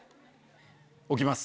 置きます。